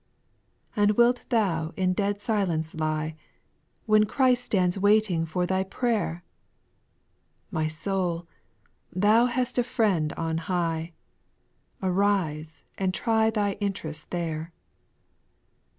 3. And wilt thou in dead silence lie, When Christ stands waiting for thy prayer I My soul, thou hast a Friend on high ;—. Arise and try thy interest there.